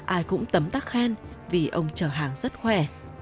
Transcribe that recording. ai cũng tấm tắc khen vì ông chở hàng rất khỏe